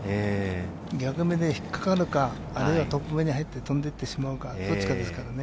逆目で引っ掛かるか、あるいはトップ目に入って飛んでってしまうか、どっちかですからね。